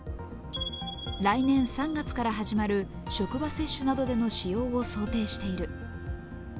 来年３月から始まる職場接種などでの使用を想定している。